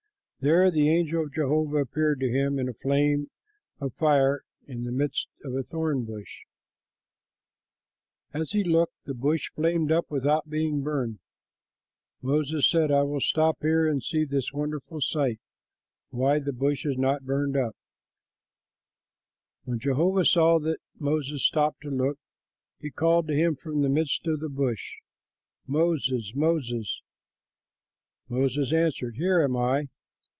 There the angel of Jehovah appeared to him in a flame of fire from the midst of a thorn bush. As he looked, the bush flamed up without being burned. Moses said, "I will stop here and see this wonderful sight, why the bush is not burned up." [Illustration: The Finding of Moses Painted by Juliaan de Vriendt] When Jehovah saw that Moses stopped to look, he called to him from the midst of the bush, "Moses, Moses." Moses answered, "Here am I."